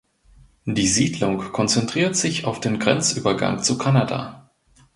Die Siedlung konzentriert sich auf den Grenzübergang zu Kanada.